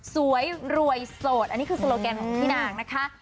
สวยรวยโสดอันนี้คือโลแกนของพี่นางนะคะ